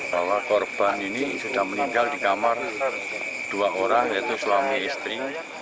bahwa korban ini sudah meninggal di kamar dua orang yaitu suami istri